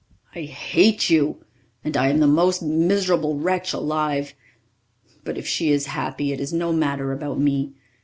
"I hate you and I am the most miserable wretch alive, but if she is happy, it is no matter about me.